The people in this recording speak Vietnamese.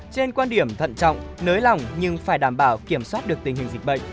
trên quan điểm thận trọng nới lỏng nhưng phải đảm bảo kiểm soát được tình hình dịch bệnh